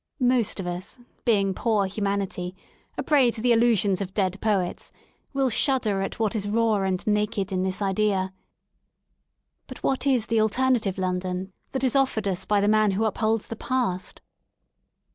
Most of us, being .poor humanity, a prey to the illusions of dead poets, will shudder at what is raw and naked in this idea* But what is the alternative London that is offered us by the man who upholds the Past